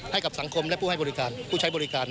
ให้กับสังคมและผู้ใช้บริการ